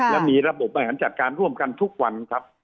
และมีระบบบบริหารจัดการร่วมกันทุกวันครับ